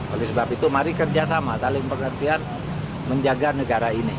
oleh sebab itu mari kerjasama saling pengertian menjaga negara ini